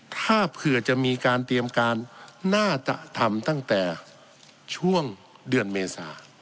ถ้าเผื่อจะมีการเตรียมการน่าจะทำตั้งแต่ช่วงเดือนเมษา